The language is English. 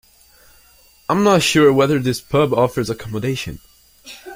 I’m not sure whether this pub offers accommodation